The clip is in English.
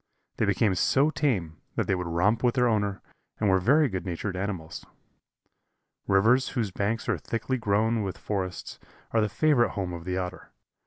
They became so tame that they would romp with their owner, and were very good natured animals. Rivers whose banks are thickly grown with forests are the favorite home of the Otter.